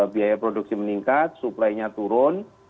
biaya produksi meningkat suplainya turun